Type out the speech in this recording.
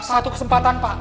satu kesempatan pak